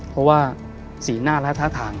เพราะว่าศีลหน้ารักทะทาง